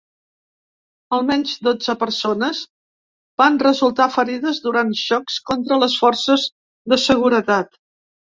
Almenys dotze persones van resultar ferides durant xocs contra les forces de seguretat.